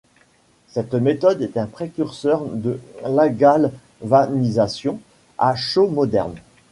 Cette méthode est un précurseur de lagalvanisation à chaud moderne.